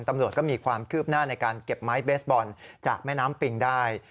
ตำรวจก็มีความคืบหน้าในการเก็บไม้เบสบอลจากแม่น้ำปิงได้